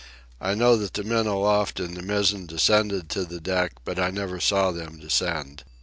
I know that the men aloft in the mizzen descended to the deck, but I never saw them descend.